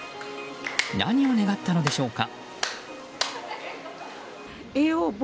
何を願ったのでしょうか。